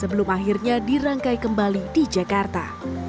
sebelum akhirnya dirangkai kembali di jakarta